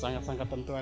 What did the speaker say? sangat sangat tentu ada